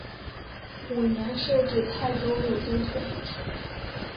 五年设置泰州路都统。